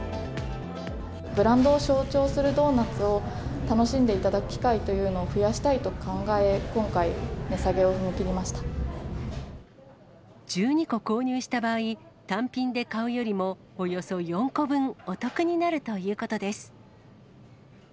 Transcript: ブランドを象徴するドーナツを楽しんでいただく機会というのを増やしたいと考え、今回、１２個購入した場合、単品で買うよりもおよそ４個分お得になるということです。